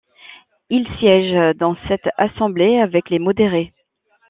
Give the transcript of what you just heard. Il siège dans cette assemblée avec les modérés.